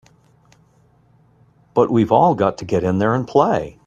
But we've all got to get in there and play!